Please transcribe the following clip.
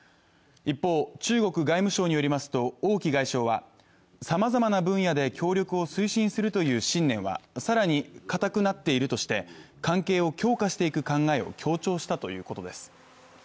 一方、中国外務省によりますと王毅外相はさまざまな分野で協力を推進するという信念は更に固くなっているとして関係を強化していく考えを強調したということです。